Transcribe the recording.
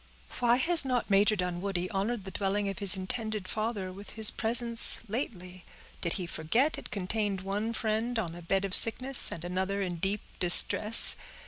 "Why has not Major Dunwoodie honored the dwelling of his intended father with his presence lately? Did he forget it contained one friend on a bed of sickness, and another in deep distress?